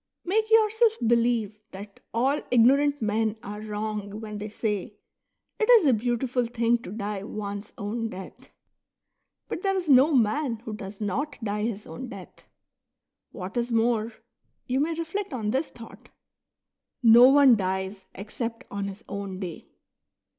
Make yourself believe that all ignorant men are wrong when they say :" It is a beautiful thing to die one's own death." " But there is no man who does not die his own death. What is more, you may reflect on this thought : No one dies except on his own day.